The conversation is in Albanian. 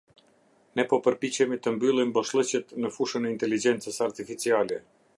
Ne po përpiqemi të mbyllim boshllëqet në fushën e Intelegjencës Artificiale.